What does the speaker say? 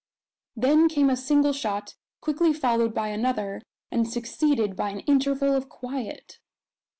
Then came a single shot, quickly followed by another, and succeeded by an interval of quiet.